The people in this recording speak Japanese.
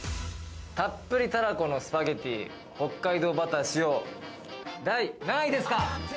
たっぷりたらこのスパゲッティ北海道バター使用、第何位ですか？